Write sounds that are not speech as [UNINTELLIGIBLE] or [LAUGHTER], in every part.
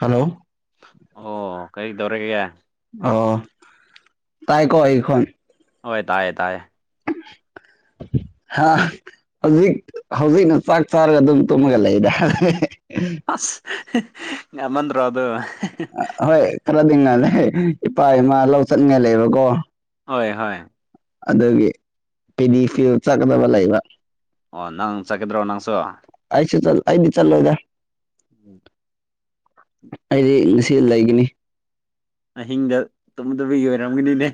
hello ꯑꯣ ꯀꯩꯗꯧꯔꯒꯦ ꯑ ꯇꯥꯏ ꯀꯣ ꯑꯩꯈꯣꯟ ꯍꯣꯏ ꯇꯥꯏꯌꯦ ꯇꯥꯏꯌꯦ [UNINTELLIGIBLE] ꯍꯥ ꯍꯧꯖꯤꯛ ꯍꯧꯖꯤꯛꯅ ꯆꯥꯛ ꯆꯥꯔꯒ ꯑꯗꯨꯝ ꯇꯨꯝꯃꯒ ꯂꯩꯗ ꯑꯁ ꯉꯟꯃꯟ ꯗꯔꯣ ꯑꯗꯨ ꯍꯣꯏ ꯈꯔꯗꯤ ꯉꯜꯂꯦ ꯏꯄꯥ ꯏꯃꯥ ꯂꯧ ꯆꯠꯅꯤꯡꯉꯥꯏ ꯂꯩꯕꯀꯣ ꯍꯣꯏ ꯍꯣꯏ ꯑꯗꯨꯒꯤ ꯄꯤꯗꯤ ꯐꯤ ꯆꯠꯀꯗꯕ ꯂꯩꯕ ꯑꯣ ꯅꯪ ꯆꯠꯀꯗ꯭ꯔꯣ ꯅꯪꯁꯨ ꯑꯩꯁꯨ ꯆꯠ ꯑꯩꯗꯤ ꯆꯠꯂꯣꯢꯗ ꯎꯝ ꯑꯩꯗꯤ ꯉꯁꯤ ꯂꯩꯒꯅꯤ ꯑꯍꯤꯡꯗ ꯇꯨꯝꯗꯕꯒꯤ ꯑꯣꯏꯔꯝꯒꯅꯤꯅꯦ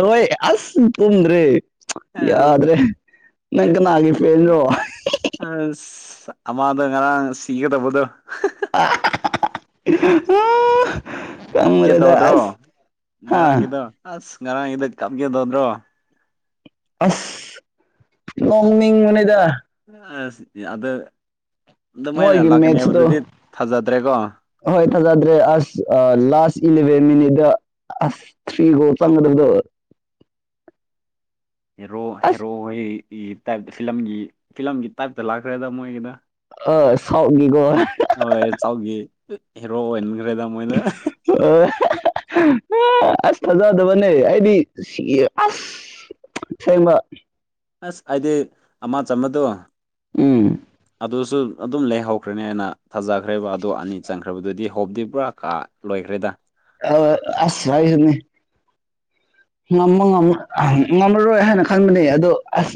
ꯍꯣꯏ ꯑꯁ ꯇꯨꯝꯗꯔꯦ ꯌꯥꯗ꯭ꯔꯦ ꯅꯪ ꯀꯅꯥꯒꯤ ꯐꯦꯟꯔꯣ ꯑꯃꯥꯗꯣ ꯉꯔꯥꯡ ꯁꯤꯒꯗꯕꯗꯣ [UNINTELLIGIBLE] ꯀꯞꯀꯦ ꯈꯪꯗ꯭ꯔꯦꯗ ꯇꯧꯗ꯭ꯔꯣ ꯑꯁ ꯍꯥ ꯉꯔꯥꯡꯒꯤꯗꯣ ꯑꯁ ꯉꯔꯥꯡꯒꯤꯗꯣ ꯀꯥꯞꯀꯦ ꯇꯧꯗꯔꯣ ꯑꯁ ꯅꯣꯡꯅꯤꯡꯕ ꯅꯤꯗ ꯑꯁ ꯌꯥꯗꯦ ꯃꯣꯏꯒꯤ ꯃꯦꯠꯇꯨ ꯊꯥꯖꯗ꯭ꯔꯦꯀꯣ ꯍꯣꯏ ꯐꯖꯗ꯭ꯔꯦ ꯑꯁ ꯂꯥꯁ ꯏꯂꯦꯚꯦꯟ ꯃꯤꯅꯤꯠꯇ ꯑꯁ ꯊ꯭ꯔꯤꯒꯣꯜ ꯆꯪꯒꯗꯕꯗꯣ ꯍꯦꯔꯣ ꯑꯁ ꯍꯦꯔꯣ ꯍꯣꯏꯒꯤ ꯇꯥꯏꯞꯇ ꯐꯤꯂꯝꯒꯤ ꯐꯤꯂꯝꯒꯤ ꯇꯥꯏꯞꯇ ꯂꯥꯛꯈ꯭ꯔꯦꯗ ꯃꯣꯏꯒꯤꯗꯣ ꯑ ꯁꯥꯎꯒꯤꯒꯣ ꯍꯣꯏ ꯆꯥꯎꯒꯤ ꯍꯦꯔꯣ ꯑꯣꯏꯍꯟꯈ꯭ꯔꯦꯗ ꯃꯣꯏꯅ [UNINTELLIGIBLE] ꯑꯁ ꯊꯥꯖꯗꯕꯅꯦ ꯑꯩꯗꯤ ꯁꯤꯌꯦ ꯑꯁ ꯁꯦꯡꯕ ꯑꯁ ꯑꯩꯗꯤ ꯑꯃ ꯆꯝꯕꯗꯨ ꯎꯝ ꯑꯗꯨꯁꯨ ꯑꯗꯨꯝ ꯂꯩꯍꯧꯈ꯭ꯔꯦꯅꯦꯅ ꯊꯥꯖꯈ꯭ꯔꯦꯕ ꯑꯗꯣ ꯑꯅꯤ ꯆꯪꯈ꯭ꯔꯕꯗꯨꯗꯤ ꯍꯣꯞꯗꯤ ꯄꯨꯔꯥ ꯀꯥ ꯂꯣꯏꯈ꯭ꯔꯦꯗ ꯑ ꯑꯁ ꯍꯥꯏꯁꯤꯅꯤ ꯉꯥꯝꯃ ꯉꯥꯝꯃ ꯉꯥꯝꯔꯔꯣꯏ ꯍꯥꯏꯅ ꯈꯟꯕꯅꯦ ꯑꯗꯣ ꯑꯁ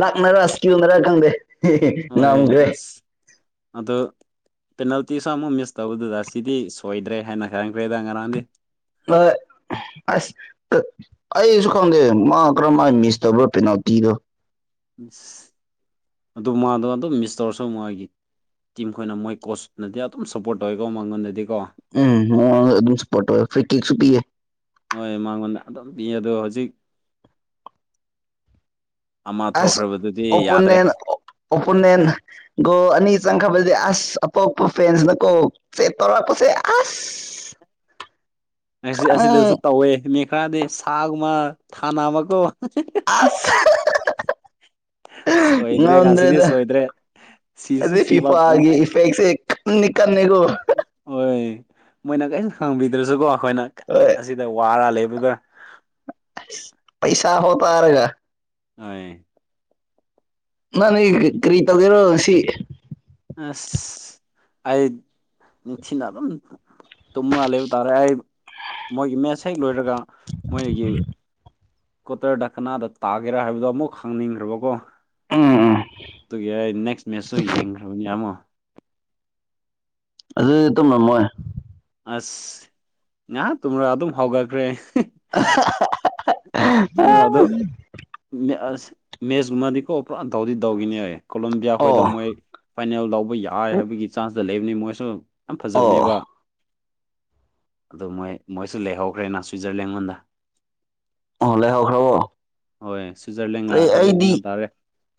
ꯂꯥꯛꯅꯔ ꯢꯁꯀꯤꯜꯅꯔ ꯈꯪꯗꯦ ꯍꯣꯏ ꯉꯝꯈ꯭ꯔꯦ ꯑꯁ ꯑꯗꯣ ꯄꯦꯅꯥꯜꯇꯤꯁꯨ ꯑꯃꯨꯛ ꯃꯤꯁ ꯇꯧꯕꯗꯨꯗ ꯁꯤꯗꯤ ꯁꯣꯏꯗ꯭ꯔꯦ ꯍꯥꯏꯅ ꯈꯟꯈ꯭ꯔꯦꯗ ꯉꯔꯥꯡꯗꯤ [UNINTELLIGIBLE] ꯑꯁ ꯑꯩꯁꯨ ꯈꯪꯗꯦ ꯃꯥ ꯀꯔꯝꯃꯥꯏ ꯃꯤꯁ ꯇꯧꯕ꯭ꯔ ꯄꯦꯅꯥꯜ ꯇꯤꯗꯣ [UNINTELLIGIBLE] ꯑꯗꯨ ꯃꯥꯗꯣ ꯑꯗꯨꯝ ꯃꯤꯁ ꯇꯧꯔꯁꯨ ꯃꯥꯒꯤ ꯇꯤꯝ ꯈꯣꯏꯅ ꯃꯣꯏ ꯀꯣꯆꯅꯗꯤ ꯑꯗꯨꯝ ꯁꯞꯄꯣꯔꯠ ꯇꯧꯋꯦꯀꯣ ꯃꯉꯣꯟꯗꯗꯤꯀꯣ ꯎꯝ ꯃꯉꯣꯟꯗ ꯑꯗꯨꯝ ꯁꯄꯣꯔꯠ ꯇꯧꯋꯦ ꯐꯔꯤ ꯀꯤꯛꯁꯨ ꯄꯤꯑꯦ ꯍꯣꯏ ꯃꯉꯣꯟꯗ ꯑꯗꯨꯝ ꯄꯤꯌꯦ ꯑꯗꯣ ꯍꯧꯖꯤꯛ ꯑꯃ ꯑꯁ ꯊꯣꯛꯈ꯭ꯔꯕꯗꯨꯗꯤ ꯌꯥꯗ꯭ꯔꯦ ꯑꯣꯄꯣꯅꯦꯟ ꯑꯣꯄꯣꯅꯦꯟ ꯒꯣꯜ ꯑꯅꯤ ꯆꯪꯈ꯭ꯔꯕꯗꯤ ꯑꯁ ꯑꯇꯣꯞꯄ ꯐꯦꯟꯁꯅꯀꯣ ꯆꯦꯠ ꯇꯧꯔꯛꯄꯁꯦ ꯑꯁ [INAUDIBLE] [UNINTELLIGIBLE] ꯎꯝ ꯑꯁꯤꯗꯁꯨ ꯇꯧꯋꯦ ꯃꯤ ꯈꯔꯗꯤ ꯁꯥꯒꯨꯝꯕ ꯊꯥꯅꯕꯀꫭ ꯑꯁ [UNINTELLIGIBLE] ꯁꯣꯏꯗ꯭ꯔꯦ ꯉꯁꯤꯗꯤ ꯉꯝꯗ꯭ꯔꯦꯗ ꯁꯣꯏꯗ꯭ꯔꯦ [UNINTELLIGIBLE] ꯐꯤꯐꯥꯒꯤ ꯏꯐꯦꯛꯁꯦ ꯀꯟꯅꯤ ꯀꯟꯅꯤꯀꯣ ꯑꫭꯏ ꯃꯣꯏꯅ ꯀꯩꯁꯨ ꯈꯪꯕꯤꯗ꯭ꯔꯁꯨꯀꯣ ꯑꯈꯣꯏꯅ ꯀꯟꯅ ꯍꯣꯏ ꯑꯁꯤꯗ ꯋꯥꯔ ꯂꯩꯕꯗꫭ ꯄꯩꯁꯥ ꯍꯣ ꯇꯥꯔꯒ ꯑꯥꯏ ꯅꯪ [UNINTELLIGIBLE] ꯀꯔꯤ ꯇꯧꯒꯦꯔꯣ ꯉꯁꯤ ꯑꯁ ꯑꯩ ꯅꯤꯡꯊꯤꯅ ꯑꯗꯨꯝ ꯇꯨꯝꯃ ꯂꯩꯕ ꯇꯥꯔꯦ ꯑꯩ ꯃꯣꯏꯒꯤ ꯃꯦꯁ ꯍꯦꯛ ꯂꯣꯏꯔꯒ ꯃꯣꯏꯒꯤ ꯀ꯭ꯋꯥꯇꯔꯗ ꯀꯅꯥꯗ ꯇꯥꯒꯦꯔꯥ ꯍꯥꯏꯕꯗꯣ ꯑꯃꯨꯛ ꯈꯪꯅꯤꯡꯈ꯭ꯔꯕꯀꯣ ꯎꯝ ꯎꯝ ꯑꯗꯨꯒꯤ ꯑꯩ ꯅꯦꯛꯁ ꯃꯦꯠꯁꯇꯨ ꯌꯦꯡꯈ꯭ꯔꯕꯅꯦ ꯑꯃꯨꯛ ꯑꯗꯨꯗꯤ ꯇꯨꯝꯃꯝꯃꯣꯏ ꯑꯁ ꯉꯍꯥꯛ ꯇꯨꯝꯔ ꯑꯗꯨꯝ ꯍꯧꯒꯠꯈ꯭ꯔꯦ ꯑꯍꯥ ꯍꯥ [UNINTELLIGIBLE] ꯑ ꯑꯗꯣ ꯃꯦꯁ ꯃꯦꯁ ꯃꯗꯤꯀꯣ ꯄꯨꯔꯥ ꯇꯧꯗꯤ ꯇꯧꯒꯤꯅꯤ ꯍꯥꯏꯌꯦ ꯀꯣꯂꯝꯕꯤꯌꯥ ꯈꯣꯏꯗꯣ ꯑꯣ ꯃꯣꯏ ꯐꯥꯏꯅꯦꯜ ꯂꯧꯕ ꯌꯥꯏ ꯍꯥꯏꯕꯒꯤ ꯆꯥꯟꯁꯇ ꯂꯩꯕꯅꯦ ꯃꯣꯏꯁꯨ ꯌꯥꯝ ꯑꯣ ꯐꯖꯕꯅꯦꯕ ꯑꯗꯨꯝ ꯃꯣꯏ ꯃꯣꯏꯁꯨ ꯂꯩꯍꯧꯈ꯭ꯔꯦꯅ ꯁ꯭ꯋꯤꯖꯔꯂꯦꯟꯉꯣꯟꯗ ꯑꫭ ꯂꯩꯍꯧꯈ꯭ꯔꯕꯣ ꯍꯣꯏ ꯁ꯭ꯋꯤꯖꯔꯂꯦꯟꯒ ꯑꯩ ꯑꯩꯗꯤ ꯑꯥꯔꯖꯦꯟꯇꯤꯅꯥ ꯇꯥꯔꯦ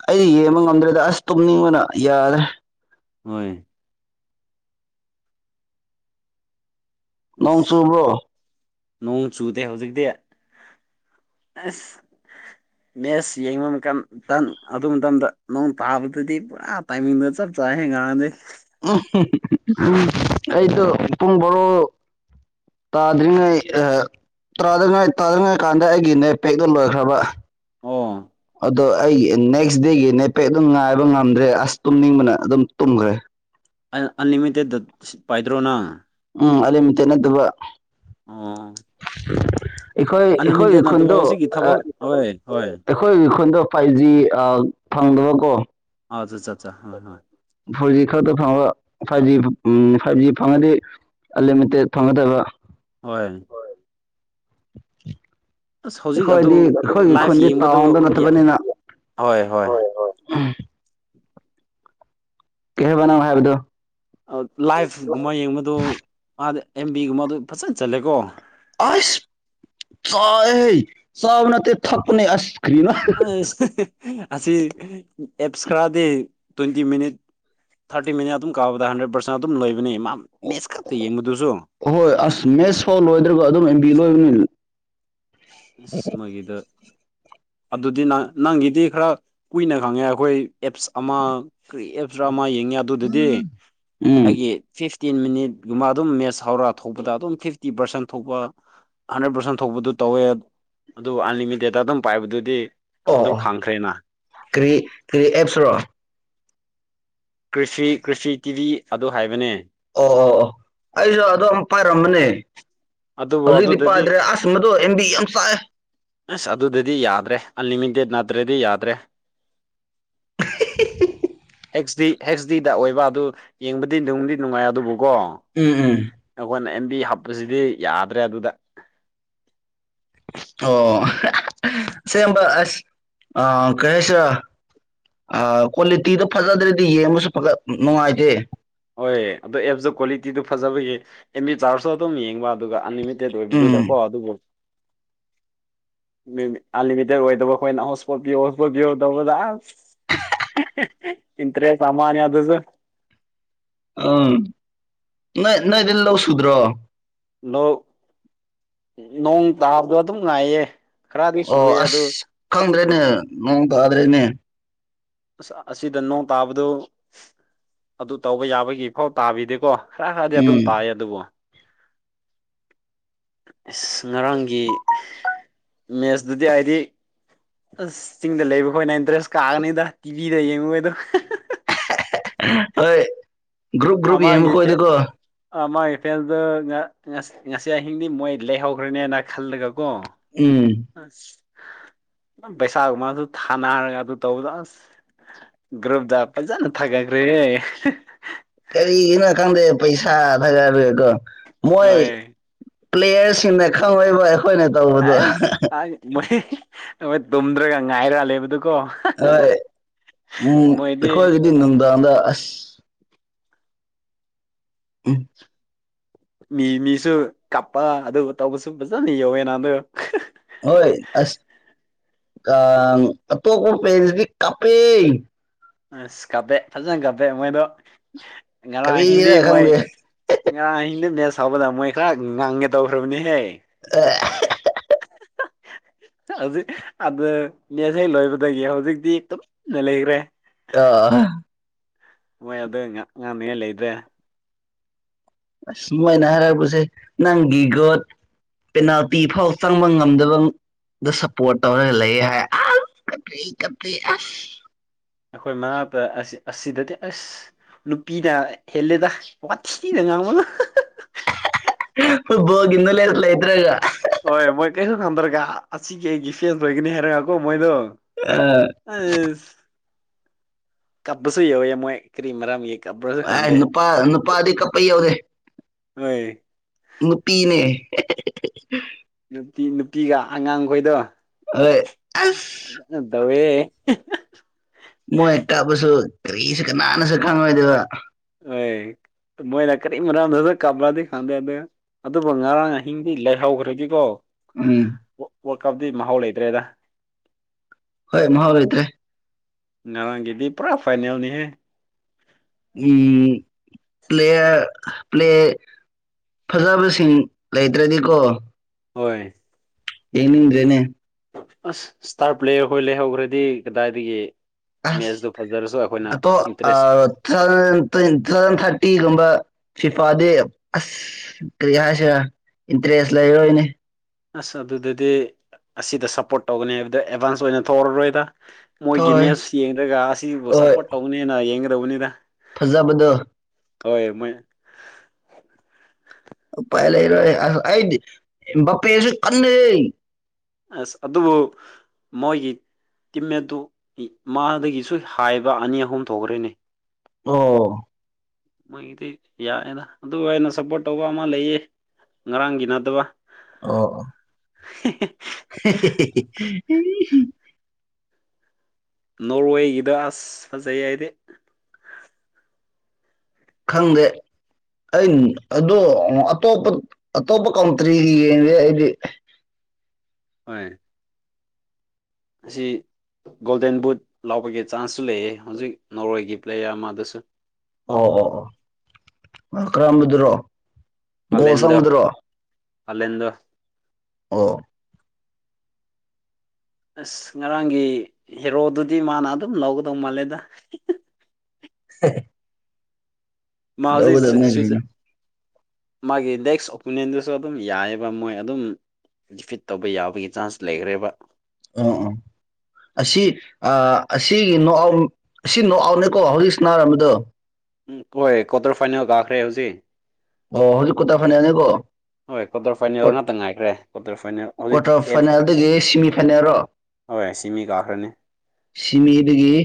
ꯑꯩꯗꯤ ꯌꯦꯡꯕ ꯉꯝꯗ꯭ꯔꯦꯗ ꯑꯁ ꯇꯨꯝꯅꯤꯡꯕꯅ ꯌꯥꯗ꯭ꯔꯦ ꯍꯣꯏ ꯅꯣꯡ ꯑꯁ ꯆꯨꯕ꯭ꯔꯣ ꯅꯣꯡ ꯆꯨꯗꯦ ꯍꯧꯖꯤꯛꯇꯤ ꯑꯁ ꯃꯦꯁ ꯌꯦꯡꯕ ꯀꯥꯟ [UNINTELLIGIBLE] ꯑꯗꯨ ꯃꯇꯝꯗ ꯅꯣꯡ ꯇꯥꯕꯗꯨꯗꯤ ꯄꯨꯔꯥ ꯇꯥꯏꯃꯡꯗꯣ ꯆꯞ ꯆꯥꯏꯍꯦ ꯉꯔꯥꯡꯗꯤ [UNINTELLIGIBLE] ꯑꯩꯗꯣ ꯄꯨꯡ ꯕꯥꯥꯔꯣ ꯇꯥꯗ꯭ꯔꯤꯉꯩ ꯑ ꯇꯥꯗꯉꯩ ꯇꯥꯗꯉꯩ ꯀꯥꯟꯗ ꯑꯩꯒꯤ ꯅꯦꯠ ꯄꯦꯛꯇꯣ ꯂꯣꯏꯈ꯭ꯔꯕ ꯑꯣ ꯑꯗꯣ ꯑꯩꯒꯤ ꯅꯦꯛꯁ ꯗꯦꯒꯤ ꯅꯦꯠꯄꯦꯛ ꯑꯗꯨꯝ ꯉꯥꯏꯕ ꯉꯝꯗ꯭ꯔꯦ ꯑꯁ ꯇꯨꯝꯅꯤꯡꯕꯅ ꯑꯗꯨꯝ ꯇꯨꯝꯈ꯭ꯔꯦ ꯑꯟꯂꯤꯃꯤꯇꯦꯠ [UNINTELLIGIBLE] ꯄꯥꯏꯗ꯭ꯔꯣ ꯅꯪ ꯎꯝ ꯑꯟꯂꯤꯃꯤꯇꯦꯠ ꯅꯠꯇꯕ ꯑꯣ ꯑꯩꯈꯣꯏ ꯑꯩꯈꯣꯏꯒꯤ ꯑꯟꯂꯤꯃꯤꯇꯦꯠ ꯅꯠꯇꯕ ꯈꯨꯟꯗꯣ ꯍꯧꯖꯤꯛꯀꯤ ꯊꯕꯛ ꯍꯣꯏ ꯍꯣꯏ ꯑꯩꯈꯣꯏꯒꯤ ꯈꯨꯟꯗꯣ ꯐꯥꯏꯞ ꯖꯤ ꯑ ꯐꯪꯗꯕ ꯀꯣ ꯑꯥ ꯆꯠꯆꯥ ꯍꯣꯏ ꯍꯣꯏ ꯐꯣꯔ ꯖꯤ ꯈꯛꯇ ꯐꯪꯕ ꯐꯥꯏꯞ ꯖꯤ ꯎꯝ ꯐꯥꯏꯞ ꯖꯤ ꯐꯪꯉꯗꯤ ꯑꯟꯂꯤꯃꯤꯇꯦꯠ ꯐꯪꯒꯗꯕ ꯍꯣꯢ [INAUDIBLE] ꯑꯁ ꯍꯧꯖꯤꯛ ꯑꯗꯨ ꯑꯩꯈꯣꯏꯗꯤ ꯑꯩꯈꯣꯏꯒꯤ ꯂꯥꯏꯐ ꯈꯨꯟꯗꯤ ꯌꯦꯡꯕꯗꯨ ꯇꯥꯎꯟꯗ ꯌꯥ ꯅꯠꯇꯕꯅꯤꯅ ꯍꯣꯢ ꯍꯣꯏ ꯍꯣꯏ ꯍꯣꯢ ꯎꯝ ꯀꯩ ꯍꯥꯏꯕ ꯅꯪꯅ ꯍꯥꯏꯕꯗꯨ ꯂꯥꯏꯐꯒꯨꯝꯕ ꯌꯦꯡꯕꯗꯣ ꯃꯥꯗꯤ ꯑꯦꯝ ꯕꯤ ꯒꯨꯝꯕ ꯑꯗꯨ ꯐꯖꯅ ꯆꯠꯂꯦꯀꯣ ꯑꯁ ꯆꯥꯏꯍꯦ ꯆꯥꯕ ꯅꯠꯇꯦ ꯊꯛꯄꯅꯦ ꯑꯁ ꯀꯔꯤꯅꯣ ꯑꯁ [UNINTELLIGIBLE] ꯑꯁꯤ ꯑꯦꯞꯁ ꯈꯔꯗꯤ ꯇ꯭ꯋꯦꯟꯇꯤ ꯃꯤꯅꯤꯠ ꯊꯥꯔꯇꯤ ꯃꯤꯅꯤꯠ ꯑꯗꯨꯝ ꯀꯥꯕꯗ ꯍꯟꯗ꯭ꯔꯦꯠ ꯄꯥꯔꯁꯦꯟ ꯑꯗꯨꯝ ꯂꫭꯏꯕꯅꯦ ꯃꯥ ꯃꯦꯠꯁ ꯈꯛꯇ ꯌꯦꯡꯕꯗꯨꯁꯨ [UNINTELLIGIBLE] ꯍꯣꯏ ꯑꯁ ꯃꯦꯁ ꯐꯥꯎ ꯂꯣꯏꯗ꯭ꯔꯒ ꯑꯗꯨꯝ ꯑꯦꯝ ꯕꯤ ꯂꯣꯏꯕꯅꯦ ꯑꯁ ꯃꫭꯏꯒꯤꯗꫭ ꯑꯗꯨꯗꯤ ꯅꯪ ꯅꯪꯒꯤꯗꯤ ꯈꯔ ꯀꯨꯏꯅ ꯈꯪꯉꯦ ꯑꯩꯈꯣꯏ ꯑꯦꯞꯁ ꯑꯃ ꯀꯔꯤ ꯑꯦꯞꯁꯔ ꯑꯃ ꯌꯦꯡꯉꯦ ꯑꯗꯨꯗꯗꯤ ꯎꯝ ꯑꯩꯒꯤ ꯐꯤꯞ ꯇꯦꯟ ꯃꯤꯅꯤꯠꯀꯨꯝꯕ ꯑꯗꯨꯝ ꯃꯦꯠꯁ ꯍꯧꯔ ꯊꯣꯛꯄꯗ ꯑꯗꯨꯝ ꯐꯤꯐꯇꯤ ꯄꯥꯔꯁꯦꯟ ꯊꯣꯛꯄ ꯍꯟꯗ꯭ꯔꯦꯠ ꯄꯥꯔꯁꯦꯟ ꯊꯣꯛꯄꯗꯨ ꯇꯧꯋꯦ ꯑꯗꯨ ꯑꯟꯂꯤꯃꯤꯇꯦꯠꯇ ꯑꯗꯨꯝ ꯄꯥꯏꯕꯗꯨꯗꯤ ꯑꯣ ꯑꯗꯨꯝ ꯑꫭ ꯈꯪꯈ꯭ꯔꯦꯅ ꯀꯔꯤ ꯀꯔꯤ ꯑꯦꯞꯁꯔꯣ ꯀ꯭ꯔꯤꯁꯤ ꯀ꯭ꯔꯤꯁꯤ ꯇꯤꯚꯤ ꯑꯗꯨ ꯍꯥꯏꯕꯅꯦ ꯑꯣ ꯑꯣ ꯑꯩꯖꯨ ꯑꯗꯨꯝ ꯄꯥꯏꯔꯝꯕꯅꯦ ꯑꯗꯨꯕꯨ ꯍꯧꯖꯤꯛꯇꯤ ꯑꯗꯨꯗꯗꯤ ꯄꯥꯏꯗ꯭ꯔꯦ ꯑꯥꯁ ꯃꯗꯣ ꯑꯦꯝꯕꯤ ꯌꯥꯝ ꯆꯥꯏꯑꯦ ꯑꯁ ꯑꯗꯨꯗꯗꯤ ꯌꯥꯗ꯭ꯔꯦ ꯑꯟꯂꯤꯃꯤꯇꯦꯠ ꯅꯠꯇ꯭ꯔꯗꯤ ꯌꯥꯗ꯭ꯔꯦ [UNINTELLIGIBLE] ꯍꯦꯛꯁꯗꯤ ꯍꯩꯆꯁ ꯗꯤꯗ ꯑꯣꯏꯕ ꯑꯗꯨ ꯌꯦꯡꯕꯗꯤ ꯅꯨꯡꯗꯤ ꯅꯨꯡꯉꯥꯏ ꯑꯗꯨꯕꯨ ꯀꯣ ꯎꯝ ꯎꯝ ꯑꯈꯣꯏꯅ ꯑꯦꯝ ꯕꯤ ꯍꯥꯞꯄꯁꯤꯗꯤ ꯌꯥꯗ꯭ꯔꯦ ꯑꯗꯨꯗ ꯑꯣ ꯑꫭ [UNINTELLIGIBLE] ꯑꯁꯦꯡꯕ ꯑꯁ ꯑ ꯀꯩ ꯍꯥꯏꯁꯤꯔ ꯑ ꯀ꯭ꯋꯥꯂꯤꯇꯤꯗꯣ ꯐꯖꯗ꯭ꯔꯗꯤ ꯌꯦꯡꯕꯁꯨ [UNINTELLIGIBLE] ꯅꯨꯡꯉꯥꯏꯇꯦ ꯍꯣꯏ ꯑꯗꯣ ꯑꯦꯞꯁꯇꯨ ꯀ꯭ꯋꯥꯂꯤꯇꯤꯗꯨ ꯐꯖꯕꯒꯤ ꯑꯦꯝꯕꯤ ꯆꯥꯎꯔꯁꯨ ꯑꯗꯨꯝ ꯌꯦꯡꯕ ꯑꯗꯨꯒ ꯑꯟꯂꯤꯃꯤꯇꯦꯠ ꯑꯣꯏꯕꯗꯨꯗ ꯎꯝ ꯀꯣ ꯑꯗꯨꯕꯨ [INAUDIBLE] ꯃꯦꯃꯤ ꯑꯟꯂꯤꯃꯤꯇꯦꯠ ꯑꯣꯏꯗꯕ ꯈꯣꯏꯅ ꯍꯣꯁꯄꯣꯠ ꯄꯤꯌꯣ ꯍꯣꯁꯄꯣꯠ ꯄꯤꯌꯣ ꯇꯧꯕꯗ ꯑꯥꯁ [UNINTELLIGIBLE] ꯏꯟꯇꯔꯦꯁ ꯑꯃꯅꯤ ꯑꯗꯨꯁꯨ ꯑꯝ ꯅꯣꯏ ꯅꯣꯏꯗ ꯂꯧ ꯁꯨꯗ꯭ꯔꯣ ꯂꯣꯛ ꯅꯣꯡ ꯇꯥꯕꯗꯣ ꯑꯗꯨꯝ ꯉꯥꯏꯌꯦ ꯈꯔꯗꯤ ꯑꯣ ꯁꯨꯑꯦ ꯑꯁ ꯑꯗꯨ ꯈꯪꯗ꯭ꯔꯦꯅꯦ ꯅꯣꯡ ꯇꯥꯗ꯭ꯔꯦꯅꯦ ꯑꯁ ꯑꯁꯤꯗ ꯅꯣꯡ ꯇꯥꯕꯗꯨ ꯑꯗꯨ ꯇꯧꯕ ꯌꯥꯕꯒꯤ ꯐꯥꯎ ꯇꯥꯕꯤꯗꯦꯀꯣ ꯈꯔ ꯍꯥꯏꯗꯤ ꯑꯗꯨꯝ ꯎꯝ ꯇꯥꯏꯑꯦ ꯑꯗꯨꯕꯨ ꯏꯁ ꯉꯔꯥꯡꯒꯤ ꯃꯦꯠꯁꯇꯨꯗꯤ ꯑꯩꯗꯤ ꯑꯁ ꯆꯤꯡꯗ ꯂꯩꯕꯈꯣꯏꯅ ꯏꯟꯇꯔꯦꯁ ꯀꯥꯒꯅꯤꯗ ꯇꯤꯚꯤꯗ ꯌꯦꯡꯕꯗꫭ ꯍꯣꯏ ꯒ꯭ꯔꯨꯞ ꯒ꯭ꯔꯨꯞ ꯌꯦꯡꯕ ꯑꯃꯒꯤ ꯐꯦꯛ ꯈꯣꯏꯗꯀꯣ ꯑꯃꯒꯤ ꯐꯦꯟꯗꯨꯅ ꯉ ꯉꯁꯤ ꯑꯍꯤꯡꯗꯤ ꯃꯣꯏ ꯂꯩꯍꯧꯔꯅꯦꯅ ꯈꯜꯂꯒꯀꯣ ꯎꯝ ꯑꯁ ꯄꯩꯁꯥꯒꯨꯝꯕꯗꯨ ꯊꯥꯅꯔꯒ ꯑꯗꯨ ꯇꯧꯕꯗꯣ ꯑꯁ ꯒ꯭ꯔꯨꯞꯗ ꯐꯖꯅ ꯊꯥꯒꯠꯈ꯭ꯔꯦꯍꯦ [UNINTELLIGIBLE] ꯀꯔꯤꯒꯤꯅꫭ ꯈꯪꯗꯦ ꯄꯩꯁꯥ ꯊꯥꯒꯠꯂꯤꯗꯣ ꯍꯣꯏ ꯄ꯭ꯂꯦꯌꯔꯁꯤꯡꯅ ꯈꯪꯔꫭꯏꯕ ꯑꯩꯈꯣꯏꯅ ꯇꯧꯕꯗꯣ ꯑꯁ ꯀꯥꯏ [UNINTELLIGIBLE] ꯃꯣꯏ [UNINTELLIGIBLE] ꯇꯨꯝꯗ꯭ꯔꯒ ꯉꯥꯏꯔ ꯂꯩꯕꯗꯨ ꯍꯣꯏ ꯎꯝ ꯃꯣꯏꯗꯤ ꯑꯩꯈꯣꯏꯒꯤꯗꯤ ꯅꯨꯡꯗꯥꯡꯗ [UNINTELLIGIBLE] ꯎꯝ ꯃꯤ ꯃꯤꯁꯨ ꯀꯞꯄ ꯑꯗꯨꯒ ꯇꯧꯕꯁꯨ ꯐꯖꯅ ꯌꯥꯎꯋꯦ ꯅꯍꯥꯟꯗꯨ ꯍꯣꯏ ꯑꯁ ꯀꯥꯡ ꯑꯇꯣꯞꯄ [UNINTELLIGIBLE] ꯀꯞꯄꯦ ꯑꯁ ꯀꯞꯄꯦ ꯐꯖꯅ ꯀꯞꯄꯦ ꯃꯣꯏꯗꯣ ꯉꯔꯥꯡ ꯍꯤꯟꯗꯤ ꯀꯔꯤꯔ ꯃꯣꯏ ꯈꯪꯗꯦ ꯉꯔꯥꯡ [UNINTELLIGIBLE] [UNINTELLIGIBLE] ꯃꯣꯏ ꯈꯔ ꯉꯥꯡꯒꯦ ꯇꯧꯈ꯭ꯔꯕꯅꯤꯍꯦ [UNINTELLIGIBLE] [INAUDIBLE] ꯍꯧꯖꯤꯛ ꯑꯗꯨ ꯃꯦꯁ ꯍꯦꯛ ꯂꯣꯏꯕꯗꯒꯤ ꯍꯧꯖꯤꯛꯇꯤ ꯇꯨꯃꯤꯟꯅ ꯂꯩꯒ꯭ꯔꯦ [UNINTELLIGIBLE] ꯃꫭꯏ ꯑꯗꯨ ꯉ ꯉꯥꯡꯅꯤꯡꯉꯥꯏ ꯂꯩꯇ꯭ꯔꯦ ꯑꯁ ꯃꯣꯏꯅ ꯍꯥꯏꯔꯛꯄꯁꯦ ꯅꯪꯒꯤ ꯒꯣꯠ ꯄꯦꯅꯥꯜꯇꯤ ꯐꯥꯎ ꯆꯪꯕ ꯉꯝꯗꯕ ꯗꫭ ꯁꯞꯄꯣꯔꯠ ꯇꯧꯔꯒ ꯂꯩꯌꯦ ꯍꯥꯏꯌꯦ ꯑꯥꯁ ꯀꯞꯄꯦ ꯀꯞꯄꯦ ꯑꯥꯁ ꯑꯈꯣꯏ ꯃꯅꯥꯛꯇ ꯑꯁꯤ ꯑꯁꯤꯗꯤ ꯑꯁ ꯅꯨꯄꯤꯅ ꯍꯦꯜꯂꯤꯗ ꯋꯥꯊꯤꯗ ꯉꯥꯡꯕꯗꯣ [UNINTELLIGIBLE] ꯐꯣꯠꯕꯣꯜꯒꯤ ꯅꯣꯂꯦꯁ ꯂꯩꯇ꯭ꯔꯒ ꯍꯣꯏ ꯃꯣꯏ ꯀꯩꯁꯨ ꯈꯪꯗ꯭ꯔꯒ ꯑꯁꯤꯒꯤ ꯑꯩꯒꯤ ꯐꯦꯟꯁ ꯑꯣꯏꯒꯅꯤ ꯍꯥꯏꯔꯒꯀꯣ ꯃꯣꯏꯗꯣ ꯑꯁ ꯀꯞꯄꯁꯨ ꯌꯧꯋꯦ ꯃꯣꯏ ꯀꯔꯤ ꯃꯔꯝꯒꯤ ꯀꯞꯄ꯭ꯔꯁꯨ ꯈꯪꯗꯦ [UNINTELLIGIBLE] ꯅꯨꯄꯥ ꯅꯨꯄꯥꯗꯤ ꯀꯞꯄ ꯌꯥꯎꯗꯦ ꯍꯣꯏ ꯅꯨꯨꯄꯤꯅꯦ ꯅꯨꯄꯤ ꯅꯨꯄꯤꯒ ꯑꯉꯥꯡꯈꯣꯏꯗꯣ ꯍꯣꯏ ꯑꯁ ꯐꯖꯅ ꯇꯧꯋꯦꯍꯦ [UNINTELLIGIBLE] ꯃꯣꯏ ꯀꯞꯔꯁꯨ ꯀꯔꯤꯁꯨ ꯀꯅꯥꯅꯁꯨ ꯈꯪꯔꫭꯏꯗꯕ ꯍꯣꯏ ꯃꯣꯏꯅ ꯀꯔꯤ ꯃꯔꯝꯗ [UNINTELLIGIBLE] ꯀꯞꯂꯗꯤ ꯈꯪꯗꯦꯗꯨ ꯑꯗꯨꯕꯨ ꯉꯔꯥꯡ ꯑꯍꯤꯡꯗꯤ ꯂꯩꯍꯧꯈ꯭ꯔꯗꯤꯀꯣ ꯎꯝ ꯋꯥꯔꯜ ꯀꯞꯇꯤ ꯃꯍꯥꯎ ꯂꯩꯇ꯭ꯔꯦꯗ ꯍꯣꯏ ꯃꯍꯥꯎ ꯂꯩꯇ꯭ꯔꯦ ꯉꯔꯥꯡꯒꯤꯗꯤ ꯄꯨꯔꯥ ꯐꯥꯏꯅꯦꯜꯅꯤꯍꯦ ꯎꯝ ꯄ꯭ꯂꯦꯌꯔ ꯄ꯭ꯂꯦ ꯐꯖꯕꯁꯤꯡ ꯂꯩꯇ꯭ꯔꯗꯤꯀꯣ ꯍꯣꯏ ꯌꯦꯡꯅꯤꯡꯗ꯭ꯔꯦꯅꯦ ꯑꯁ ꯏꯁꯇꯥꯔ ꯄ꯭ꯂꯦꯌꯔ ꯈꫭꯏ ꯂꯩꯍꯧꯈ꯭ꯔꯗꯤ ꯀꯗꯥꯏꯗꯒꯤ ꯑꯁ ꯃꯦꯠꯁꯇꯨ ꯐꯖꯔꯁꯨ ꯑꯩꯈꯣꯏꯅ ꯑꯇꯣ ꯑ ꯏꯟꯇꯔꯦꯁ ꯊꯜꯇꯤꯟ ꯊꯜ ꯊꯥꯇꯤꯒꯨꯝꯕ ꯐꯤꯐꯥꯗꯤ ꯑꯁ ꯀꯔꯤꯍꯥꯏꯁꯦꯔꯥ ꯏꯟꯇ꯭ꯔꯦꯖ ꯂꯩꯔ ꯔꯣꯏꯅꯦ ꯑꯁ ꯑꯗꯨꯗꯗꯤ ꯑꯁꯤꯗ ꯁꯞꯄꯣꯔꯠ ꯇꯧꯒꯅꯤ ꯍꯥꯏꯕꯗ ꯑꯦꯗꯚꯥꯟꯁ ꯑꯣꯏꯅ ꯊꯣꯛꯔꯔꯣꯏꯗ ꯃꯣꯏꯒꯤ ꯊꯣꯏ ꯃꯦꯁ ꯌꯦꯡꯗ꯭ꯔꯒ ꯑꯁꯤꯕꯨ ꯁꯞꯄꯣꯔꯠ ꯇꯧꯒꯅꯦꯅ ꯌꯦꯡꯒꯗꯧꯕꯅꯤꯗ ꯐꯖꯕꯗꯨ ꯍꯣꯏ ꯃꯣꯏ ꯎꯄꯥꯏ ꯂꯩꯔꯣꯏ ꯑꯁ ꯑꯩꯗꯤ ꯏꯝꯕꯥꯞꯄꯦꯖꯨ ꯀꯟꯂꯦꯍꯦ ꯑꯁ ꯑꯗꯨꯕꯨ ꯃꯣꯏꯒꯤ ꯇꯤꯝꯃꯦꯠꯇꯨ ꯃꯥꯗꯒꯤꯁꯨ ꯍꯥꯏꯕ ꯑꯅꯤ ꯑꯍꯨꯝ ꯊꯣꯛꯔꯦꯅꯦ ꯑꯣ ꯃꯣꯏꯒꯤꯗꯤ ꯌꯥꯑꯦꯅ ꯑꯗꯨꯒ ꯑꯩꯅ ꯁꯞꯄꯣꯔꯠ ꯇꯧꯕ ꯑꯃ ꯂꯩꯌꯦ ꯉꯔꯥꯡꯒꯤ ꯅꯠꯇꯕ ꯑꯣ ꯍꯦꯍꯦꯍꯦꯍꯤ ꯑꯦ ꯅꯣꯔꯋꯦꯒꯤꯗ ꯑꯁ ꯐꯖꯩꯑꯦ ꯑꯩꯗꯤ ꯈꯪꯗꯦ ꯑꯩ ꯑꯗꯣ ꯑꯇꯣꯞꯄ ꯑꯇꯣꯞꯄ ꯀꯟꯇ꯭ꯔꯤꯒꯤ ꯌꯦꯡꯗꯦ ꯑꯩꯗꯤ [INAUDIBLE] ꯍꯣꯏ ꯑꯁꯤ ꯒꯣꯜꯗꯦꯟ ꯕꯨꯠ ꯂꯧꯕꯒꯤ ꯆꯥꯟꯁꯁꯨ ꯂꯩꯑꯦ ꯍꯧꯖꯤꯛ ꯅꯣꯔꯋꯦꯒꯤ ꯄ꯭ꯂꯦꯌꯔ ꯑꯃꯗꯁꯨ ꯑꯣ ꯑꯣ ꯑꯣ ꯀꯔꯝꯕꯗꯨꯔꯣ ꯒꯣꯜ ꯍꯥꯂꯦꯟꯗꯣ ꯁꯪꯕꯗꯨꯔꯣ ꯍꯥꯂꯦꯟꯗꯣ ꯑꯣ ꯑꯁ ꯉꯔꯥꯡꯒꯤ ꯍꯦꯔꯣꯗꯨꯗꯤ ꯃꯥꯅ ꯑꯗꯨꯝ ꯂꯧꯒꯗꯧ ꯃꯥꯜꯂꯦꯗ ꯍꯤꯍꯤ ꯍ ꯃꯥ ꯍꯧꯖꯤꯛ ꯁꯤ ꯁ꯭ꯋꯤꯖ ꯃꯥꯒꯤ ꯅꯦꯛꯁ ꯑꯣꯄꯣꯅꯦꯟꯗꯨꯁꯨ ꯑꯗꯨꯝ ꯌꯥꯏꯑꯦꯕ ꯃꯣꯏ ꯑꯗꯨꯝ ꯗꯤꯐꯤꯠ ꯇꯧꯕ ꯌꯥꯕꯒꯤ ꯆꯥꯟꯁ ꯂꯩꯒ꯭ꯔꯦꯕ ꯎꯝ ꯎꯝ ꯑꯁꯤ ꯑ ꯑꯁꯤꯒꯤ ꯅꯣ ꯑꯥꯎ ꯑꯁꯤ ꯅꯣꯛꯑꯥꯎꯠꯅꯦꯀꯣ ꯍꯧꯖꯤꯛ ꯁꯟꯅꯔꯝꯕꯗꯨ ꯎꯝ ꯍꯣꯏ ꯀ꯭ꯋꯥꯇꯔ ꯐꯥꯏꯅꯦꯜ ꯀꯥꯈ꯭ꯔꯦ ꯍꯧꯖꯤꯛ ꯑꯣ ꯍꯧꯖꯤꯛ ꯀꯣꯠꯇ ꯐꯥꯏꯅꯦꯜꯅꯦꯀꯣ ꯍꯣꯏ ꯀ꯭ꯋꯥꯇꯔ ꯐꯥꯏꯅꯦꯜ ꯉꯥꯛꯇ ꯉꯥꯏꯈ꯭ꯔꯦ ꯀ꯭ꯋꯥꯇꯔ ꯐꯥꯏꯅꯦꯜ ꯍꯧꯖꯤꯛ ꯀ꯭ꯋꯥꯇꯔ ꯑꯦꯠ ꯐꯥꯏꯅꯦꯜꯗꯒ ꯁꯤꯃꯤ ꯐꯥꯏꯅꯦꯜ ꯔꯣ ꯍꯣꯏ ꯁꯤꯃꯤ ꯀꯥꯈ꯭ꯔꯅꯤ ꯁꯤꯃꯤꯗꯒꯤ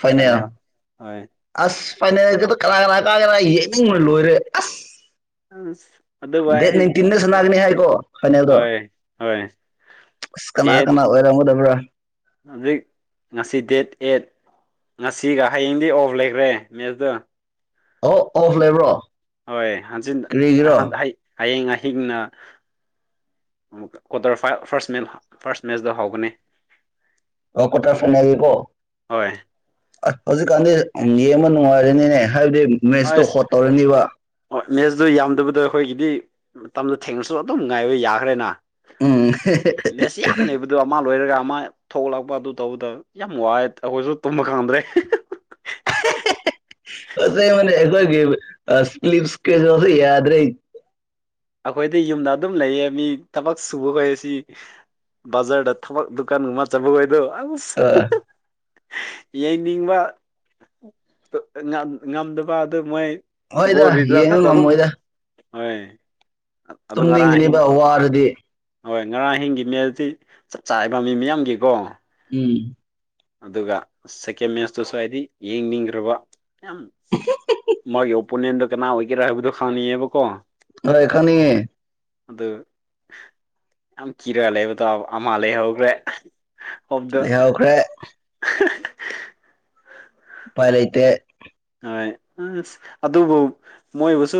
ꯐꯥꯏꯅꯦꯜ ꯍꯣꯏ ꯑꯁ ꯐꯩꯅꯦꯜꯒꯤꯗ ꯀꯅꯥ ꯀꯅꯥ ꯀꯥꯒꯦꯔꯥ ꯌꯦꯅꯤꯡꯕꯅ ꯂꯣꯏꯔꯦ ꯑꯁ ꯎ ꯗꯦꯠ ꯅꯥꯢꯟꯇꯤꯟꯗ ꯁꯟꯅꯒꯅꯤ ꯍꯥꯏꯀꯣ ꯐꯥꯢꯅꯦꯜꯗꯣ ꯍꯣꯏ ꯍꯣꯏ ꯑꯁ ꯀꯅꯥ ꯀꯅꯥ ꯑꯣꯏꯔꯝꯒꯗꯕ꯭ꯔꯥ ꯍꯨꯖꯤꯛ ꯉꯁꯤ ꯗꯦꯠ ꯑꯦꯠ ꯉꯁꯤꯒ ꯍꯌꯦꯡꯗꯤ ꯑꯣꯐ ꯂꯩꯈ꯭ꯔꯦ ꯃꯦꯗ ꯑꯣ ꯑꯣꯐ ꯂꯩꯕ꯭ꯔꯣ ꯍꯣꯏ ꯍꯟꯖꯤꯟ ꯀꯔꯤꯒꯤꯔꯣ ꯍꯟ ꯍꯩ ꯍꯌꯦꯡ ꯑꯍꯤꯡꯅ ꯀ꯭ꯋꯥꯇꯔ ꯐꯥꯢꯜ ꯐꯥꯔꯁ ꯃꯦꯜ ꯐꯥꯔꯁ ꯃꯦꯠꯆꯗ ꯍꯧꯕꯅꯤ ꯑꯣ ꯀ꯭ꯋꯥꯔꯇꯔ ꯐꯥꯏꯅꯦꯜ ꯀꯣ ꯍꯣꯏ ꯑꯠ ꯍꯧꯖꯤꯛꯀꯥꯟꯗꯤ ꯎꯝ ꯌꯦꯡꯕ ꯅꯨꯡꯉꯥꯏꯔꯅꯤꯅꯦ ꯍꯥꯏꯕꯗꯤ ꯃꯦꯠꯁꯇꯣ ꯑꯁ ꯍꯣꯠ ꯇꯧꯔꯅꯤꯕ ꯑꯣ ꯃꯦꯠꯁꯗꯣ ꯌꯥꯝꯗꯕꯗꯣ ꯑꯩꯈꯣꯏꯒꯤꯗꯤ ꯃꯇꯝꯗꯣ ꯊꯦꯡꯂꯁꯨ ꯑꯗꯨꯝ ꯉꯥꯏꯕ ꯌꯥꯈ꯭ꯔꯦꯅꯥ ꯎꯝ ꯃꯦꯠꯁ ꯌꯥꯝ ꯂꯩꯕꯗꯣ ꯑꯃ ꯂꯣꯏꯔꯒ ꯃꯥ ꯊꯣꯛꯂꯛꯄ ꯑꯗꯨ ꯇꯧꯕꯗꯣ ꯌꯥꯝ ꯋꯥꯏ ꯑꯈꯣꯏꯁꯨ ꯇꯨꯝꯕ ꯈꯪꯗ꯭ꯔꯦ ꯑꯍꯦꯍꯦꯍꯦ ꯑꯁꯦꯡꯕꯅꯦ ꯑꯩꯈꯣꯢꯒꯤ [UNINTELLIGIBLE] ꯀꯩꯅꯣꯗꯣ ꯌꯥꯗ꯭ꯔꯦ ꯑꯈꯣꯏꯗꯤ ꯌꯨꯝꯗ ꯑꯗꯨꯝ ꯂꯩꯌꯦ ꯃꯤ ꯊꯕꯛ ꯁꯨꯕ ꯈꯣꯏꯁꯤ ꯕꯖꯥꯔꯗ ꯊꯕꯛ ꯗꯨꯀꯥꯟꯒꯨꯝꯕ ꯆꯠꯄ ꯈꯣꯢꯗꯨ ꯑꯁ ꯑꯥ ꯌꯦꯡꯅꯤꯡꯕ ꯉꯝ ꯉꯝꯗꯕ ꯑꯗꯨ ꯃꯣꯏ ꯒꯣꯜ ꯍꯣꯏꯗ ꯔꯤꯖꯜꯁ ꯌꯦꯡꯕ ꯈꯛꯇ ꯑꯗꯨꯝ ꯉꯝꯃꯣꯏꯗ ꯍꯣꯢ ꯇꯨꯝꯅꯤꯡꯒꯅꯤꯕ ꯋꯥꯔꯗꯤ ꯍꯣꯏ ꯉꯔꯥꯡ ꯑꯍꯤꯡꯒꯤ ꯃꯦꯜꯗꯤ ꯆꯞ ꯆꯥꯢꯌꯦꯕ ꯃꯤ ꯃꯤꯌꯥꯝꯒꯤꯀꯣ ꯏ ꯑꯗꯨꯒ ꯁꯦꯀꯦꯟ ꯃꯦꯠꯁꯇꯨꯁꯨ ꯍꯥꯏꯗꯤ ꯌꯦꯡꯅꯤꯡꯈ꯭ꯔꯕ ꯌꯥꯝ ꯃꯥꯒꯤ ꯑꯣꯄꯣꯅꯦꯟꯗ ꯀꯅꯥ ꯑꯣꯏꯒꯦꯔꯥ ꯍꯥꯏꯕꯗꯨ ꯈꯪꯅꯤꯡꯉꯦꯕꯀꯣ ꯀꯔꯥꯢ ꯈꯪꯅꯤꯡꯉꯦ ꯑꯗꯨ ꯌꯥꯝ ꯀꯤꯔꯒ ꯂꯩꯕ ꯇꯥꯕ ꯑꯃ ꯂꯩꯍꯧꯈ꯭ꯔꯦ ꯍꯣꯞꯗꯣ ꯂꯩꯍꯧꯈ꯭ꯔꯦ [UNINTELLIGIBLE] ꯎꯄꯥꯢ ꯂꯩꯩꯇꯦ ꯍꯣꯏ ꯑꯁ ꯑꯗꯨꯕꯨ ꯃꯣꯏꯕꯨꯁꯨ